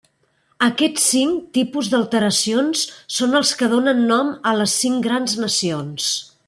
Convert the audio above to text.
Aquests cinc tipus d'alteracions són els que donen nom a les cinc grans nacions.